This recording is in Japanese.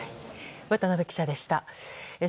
渡邊記者でした。